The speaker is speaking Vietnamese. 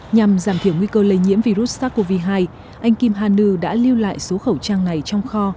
nhằm giảm thiểu nguy cơ lây nhiễm virus sars cov hai anh kim ha nu đã lưu lại số khẩu trang này trong kho